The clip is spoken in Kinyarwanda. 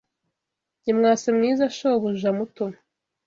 Nyamwasa mwiza shobuja muto